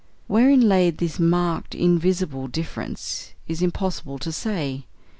Wherein lay this marked, invisible difference is impossible to say.